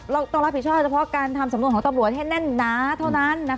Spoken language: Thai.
เราต้องรับผิดชอบเฉพาะการทำสำนวนของตำรวจให้แน่นหนาเท่านั้น